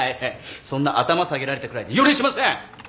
そんな頭下げられたくらいで許しません！